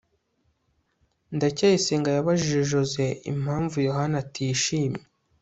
ndacyayisenga yabajije joze impamvu yohana atishimye